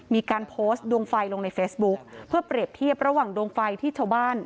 มีการโพสต์ดวงไฟลงในเฟซบุ๊คเพื่อเปรียบเทียบระหว่างดวงไฟที่ชาวบ้าน